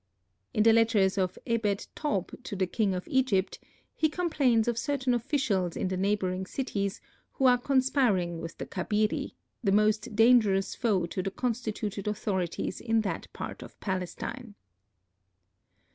In the letters of Ebed tob to the king of Egypt, he complains of certain officials in the neighboring cities who are conspiring with the Khabiri, the most dangerous foe to the constituted authorities in that part of Palestine.